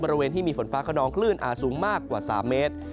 บริเวณที่มีฝนฟ้าขนองคลื่นอาจสูงมากกว่า๓เมตร